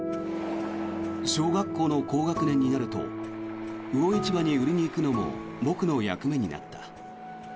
小学校の高学年になると魚市場に売りに行くのも僕の役目になった。